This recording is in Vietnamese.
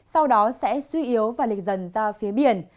sau đó sẽ suy yếu và lịch dần ra phía biển